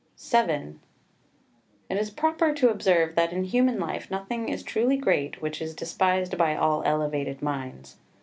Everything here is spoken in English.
VII It is proper to observe that in human life nothing is truly great which is despised by all elevated minds.